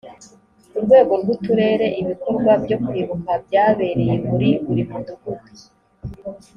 ku rwego rw uturere ibikorwa byo kwibuka byabereye muri buri mudugudu